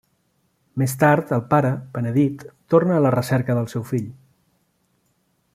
Més tard, el pare, penedit, torna a la recerca del seu fill.